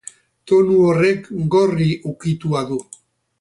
Tonu honek gorri ukitua du.